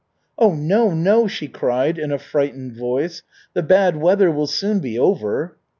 "Oh no, no!" she cried in a frightened voice. "The bad weather will soon be over."